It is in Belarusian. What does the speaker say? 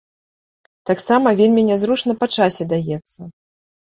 Таксама вельмі нязручна па часе даецца.